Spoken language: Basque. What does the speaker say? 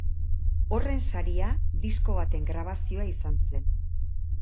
Horren saria disko baten grabazioa izan zen.